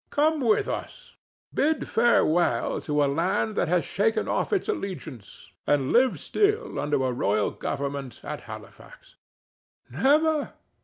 Come with us; bid farewell to a land that has shaken off its allegiance, and live still under a royal government at Halifax." "Never!